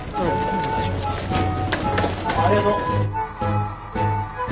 ありがとう。